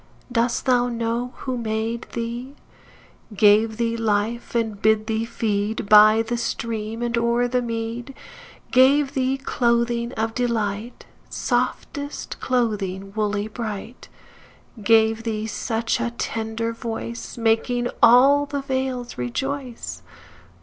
Dost thou know who made thee? Gave thee life, & bid thee feed By the stream & o'er the mead; Gave thee clothing of delight, Softest clothing, wooly, bright; Gave thee such a tender voice, Making all the vales rejoice?